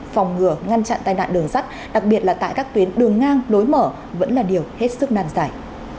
phòng ngừa ngăn chặn tai nạn đường sắt đặc biệt là tại các tuyến đường ngang lối mở vẫn là điều hết sức nan giải